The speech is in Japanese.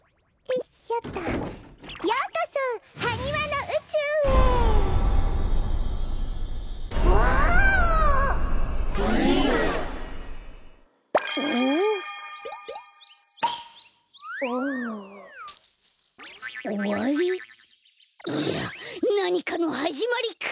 いやなにかのはじまりか！？